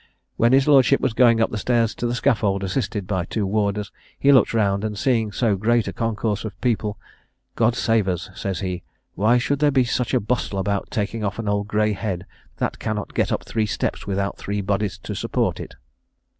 When his lordship was going up the steps to the scaffold, assisted by two warders, he looked round, and, seeing so great a concourse of people, "God save us," says he, "why should there be such a bustle about taking off an old grey head, that cannot get up three steps without three bodies to support it?"